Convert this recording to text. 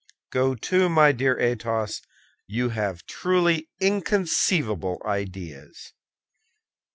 "Go to, my dear Athos; you have truly inconceivable ideas."